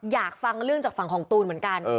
อยากฟังเรื่องจากฝั่งของตูนเหมือนกัน